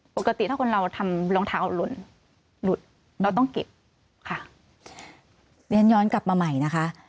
ปกติถ้าคนเราทำรองเท้าหล่นหลุดเราต้องเก็บค่ะเรียนย้อนกลับมาใหม่นะคะ